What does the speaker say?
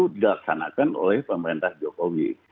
dikaksanakan oleh pemerintah jokowi